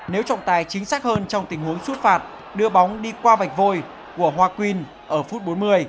nếu trọng tài chính xác hơn trong tình huống rút phạt đưa bóng đi qua vạch vôi của hoa quyên ở phút bốn mươi